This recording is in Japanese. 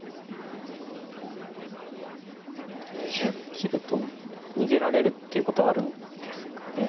切ると逃げられるっていうことはあるんですかね。